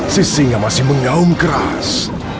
sisinga masih mengaum keras